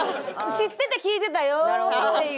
知ってて聞いてたよっていう。